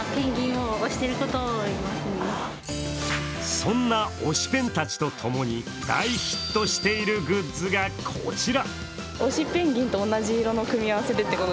そんな推しペンたちとともに大ヒットしているグッズがこちら。